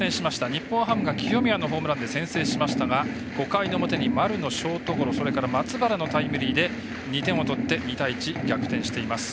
日本ハムが清宮のホームランで先制しましたが５回の表に丸のショートゴロ松原のタイムリーで２点を取って２対１、逆転しています。